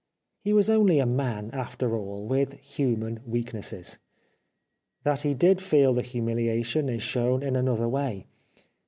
He was only a man after all, with human weaknesses. That he did feel the humiliation is shown in another way.